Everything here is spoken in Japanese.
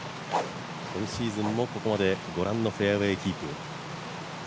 今シーズンもここまで御覧のフェアウエーキープ。